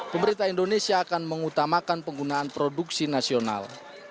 pemerintah indonesia akan mengutamakan penggunaan produksi nasional